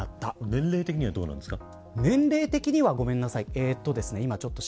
年齢的にはどうなんですか。